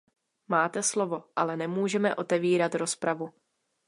Máte slovo, ale nemůžeme otevírat rozpravu.